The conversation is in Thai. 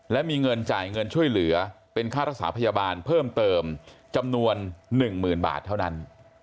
และมีเงินจ่ายเงินช่วยเหลือเป็นค่ารักษาพยาบาลเพิ่มเติมจำนวน๑๐๐๐บาทเท่านั้น